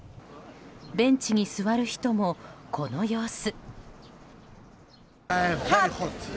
ベンチに座る人も、この様子。